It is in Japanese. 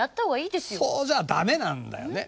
そうじゃダメなんだよね。